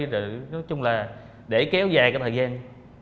nói chung là để kéo dài cái thời gian